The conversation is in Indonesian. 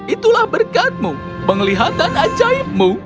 itulah berkatmu penglihatan ajaibmu